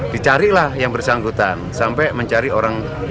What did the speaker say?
dicarilah yang bersangkutan sampai mencari orang